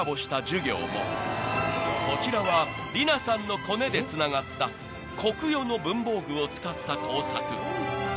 ［こちらはリナさんのコネでつながったコクヨの文房具を使った工作］